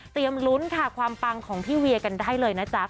ลุ้นค่ะความปังของพี่เวียกันได้เลยนะจ๊ะ